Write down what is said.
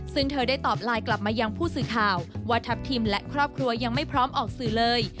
ซึ่งเธอได้ตอบไลน์กลับมายังผู้สื่อข่าวว่าทัพทิมและครอบครัวยังไม่พร้อมออกสื่อเลย